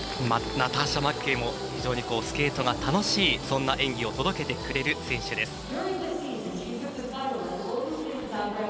ナターシャ・マッケイも非常にスケートが楽しいそんな演技を届けてくれる選手です。